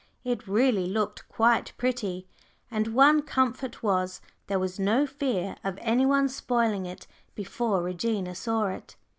It really looked quite pretty, and one comfort was, there was no fear of any one spoiling it before Regina saw it.